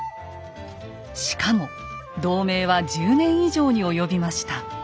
しかも同盟は１０年以上に及びました。